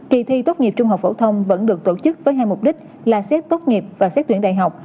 kỳ thi tốt nghiệp trung học phổ thông vẫn được tổ chức với hai mục đích là xét tốt nghiệp và xét tuyển đại học